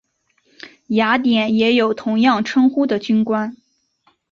雅典也有同样称呼的军官。